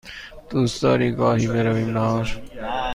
دوست داری گاهی برویم نهار؟